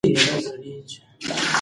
اختلاف د دښمنۍ په مانا نه دی.